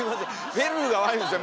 めるるが悪いんですよ。